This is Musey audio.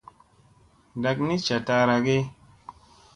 Ndak ni ca ta ara ge.